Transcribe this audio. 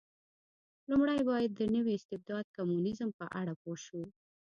لومړی باید د نوي استبداد کمونېزم په اړه پوه شو.